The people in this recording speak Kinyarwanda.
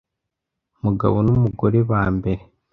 mugabo n umugore ba mbere